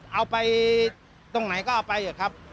เอาไปตรงไหนก็เอาไปเถอะครับ